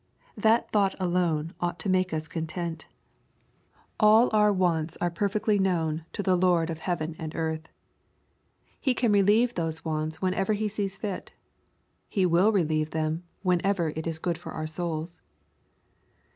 That thought alone ought to make us content. All our wants are perfectly known to the Lord LUKE^ OHAP. XII. 79 of heaven and earth. He can relieve those wants, when ever He sees fit. He will relieve them, whenever it is good for our souls.